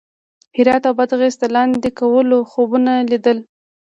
هرات او بادغیس د لاندې کولو خوبونه لیدل.